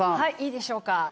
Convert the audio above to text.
いいでしょうか。